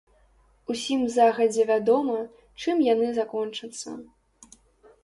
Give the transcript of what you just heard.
Усім загадзя вядома, чым яны закончацца.